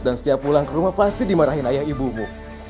dan setiap pulang ke rumah pasti dimarahin ayah ibumu